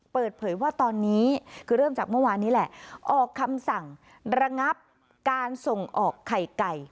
เปิดเผยว่าตอนนี้คือเริ่มจากเมื่อวานนี้แหละออกคำสั่งระงับการส่งออกไข่ไก่